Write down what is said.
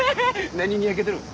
何にやけとるん？